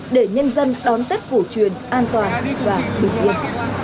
để nhân dân đón tết cổ truyền an toàn và bình yên